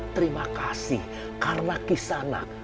terima kasih karena kisanak